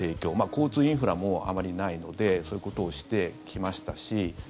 交通インフラもあまりないのでそういうことをしてきましたし。